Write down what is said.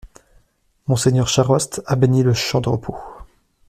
Mgr Charost, a béni le champ de repos.